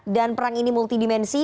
dan perang ini multidimensi